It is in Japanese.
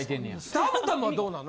たむたむはどうなの？